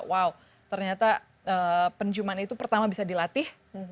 wow ternyata penciuman itu pertama bisa dilatih